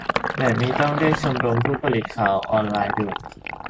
แบบนี้ต้องเรียกชมรมผู้ผลิตข่าวออนไลน์ด่วน !